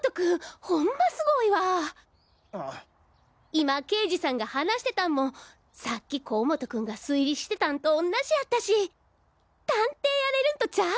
今刑事さんが話してたんもさっき光本君が推理してたんと同じやったし探偵やれるんとちゃう？